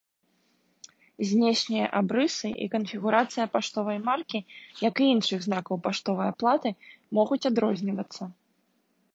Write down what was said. Знешнія абрысы і канфігурацыя паштовай маркі, як і іншых знакаў паштовай аплаты, могуць адрознівацца.